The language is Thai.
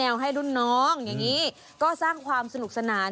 ให้รุ่นน้องอย่างนี้ก็สร้างความสนุกสนาน